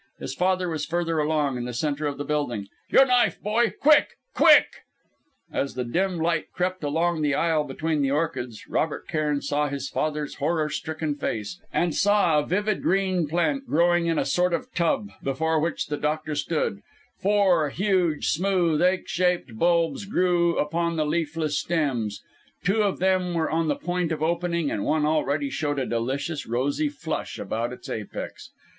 His father was further along, in the centre building. "Your knife, boy quick! quick!" As the dim light crept along the aisle between the orchids, Robert Cairn saw his father's horror stricken face ... and saw a vivid green plant growing in a sort of tub, before which the doctor stood. Four huge, smooth, egg shaped buds grew upon the leafless stems; two of them were on the point of opening, and one already showed a delicious, rosy flush about its apex.